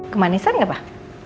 kemanisan gak pak